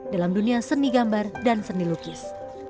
dalam dunia seni gambar dan seni lukis